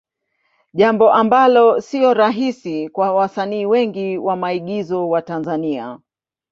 Jambo ambalo sio rahisi kwa wasanii wengi wa maigizo wa Tanzania.